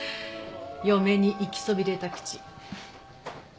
嫁に行きそびれたクチ。